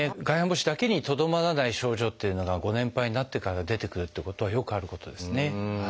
外反母趾だけにとどまらない症状っていうのがご年配になってから出てくるということはよくあることですね。